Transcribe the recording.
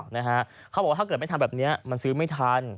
เขาบอกว่าถ้าเกิดไม่ทำแบบนี้มันซื้อไม่ทัน